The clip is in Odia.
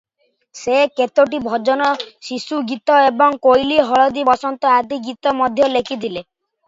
ସେ କେତୋଟି ଭଜନ, ଶିଶୁଗୀତ ଏବଂ କୋଇଲୀ, ହଳଦୀବସନ୍ତ ଆଦି ଗୀତ ମଧ୍ୟ ଲେଖିଥିଲେ ।